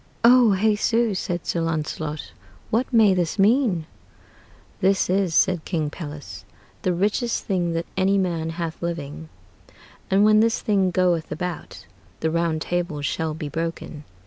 "O Jesu," said Sir Launcelot, "what may this meane?" "This is," said King Pelles, "the richest thing that any man hath living; and when this thing goeth about, the round table shall bee broken.